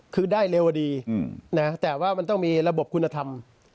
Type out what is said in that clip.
คือได้เร็วดีนะแต่ว่ามันต้องมีระบบคุณธรรม